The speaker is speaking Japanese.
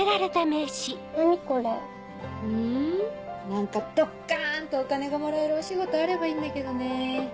何かドッカンとお金がもらえるお仕事あればいいんだけどねぇ。